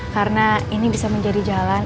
karena ini bisa menjadi jalan